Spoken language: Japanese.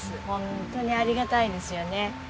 ホントにありがたいですよね。